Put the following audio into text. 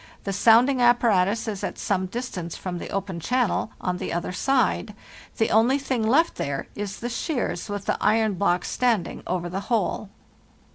The sounding ap paratus is at some distance from the open channel, on the other side. The only thing left there is the shears with the iron block standing over the hole.